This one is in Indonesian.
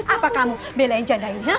apa kamu belain jadah ini